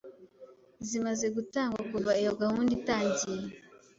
zimaze gutangwa kuva iyo gahunda itangiye